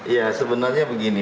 ya sebenarnya begini